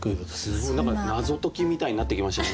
すごい何か謎解きみたいになってきましたね。